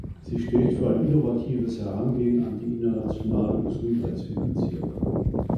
Sie steht für ein innovatives Herangehen an die internationale Gesundheitsfinanzierung.